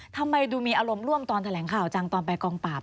ทำไมดูมีอารมณ์ร่วมตอนแถลงข่าวจังตอนไปกองปราบ